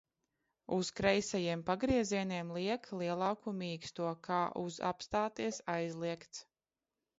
Uz kreisajiem pagriezieniem liek lielāku mīksto, kā uz apstāties aizliegts.